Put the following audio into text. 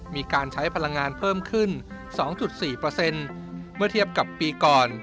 มีการใช้พลังงานเพิ่มขึ้น๒๔เมื่อเทียบกับปีก่อน